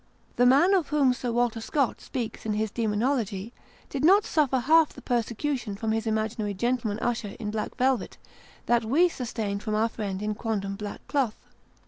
The man of whom Sir Walter Scott speaks in his Demonology, did not suffer half the persecution from his imaginary gentleman usher in black velvet, that we sustained from our friend in quondam black cloth.